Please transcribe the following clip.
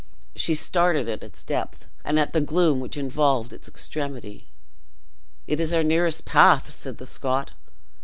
She started at its depth, and at the gloom which involved its extremity. "It is our nearest path," said the Scot.